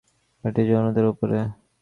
এবং যখন আমরা মেক আপ করি, এটি যৌনতার উপরে।